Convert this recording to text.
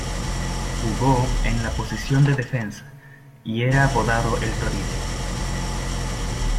Jugó en la posición de defensa y era apodado "El Torito".